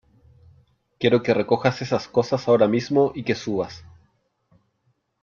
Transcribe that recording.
quiero que recojas esas cosas ahora mismo y que subas .